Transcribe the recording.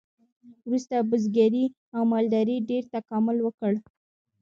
وروسته بزګرۍ او مالدارۍ ډیر تکامل وکړ.